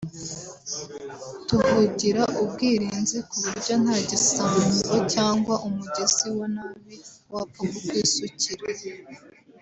“tuhigira ubwirinzi ku buryo nta gisambo cyangwa umugizi wa nabi wapfa kukwisukira